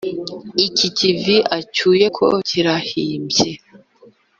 Iki kivi acyuye ko kirahimbye